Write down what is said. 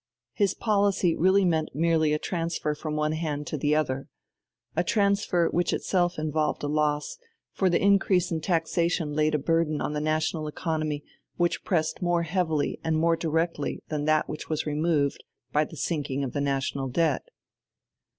His policy really meant merely a transfer from one hand to the other, a transfer which itself involved a loss; for the increase in taxation laid a burden on the national economy which pressed more heavily and more directly than that which was removed by the sinking of the National Debt.